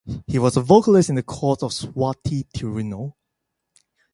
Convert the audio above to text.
He was a vocalist in the court of Swathi Thirunal.